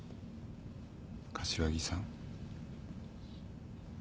柏木さん。